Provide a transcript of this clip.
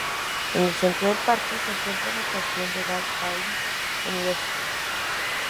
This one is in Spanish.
En el centro del parque, se encuentra la estación de Vallparadís Universitat.